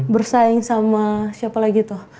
bersaing sama siapa lagi tuh